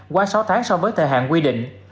qua sáu tháng so với thời hạn quy định